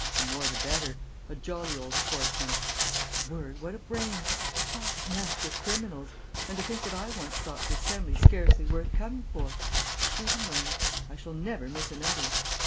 "Oh, the more the better. A jolly old sportsman. My word, what a brain! Talk of master criminals, ... and to think that I once thought the Assembly scarcely worth coming for. Live and learn. I shall never miss another."